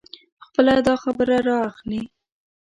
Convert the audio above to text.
خپله داخبره را اخلي.